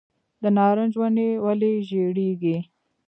د نارنج ونې ولې ژیړیږي؟